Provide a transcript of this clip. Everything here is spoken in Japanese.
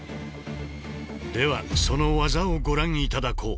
ではその技をご覧頂こう。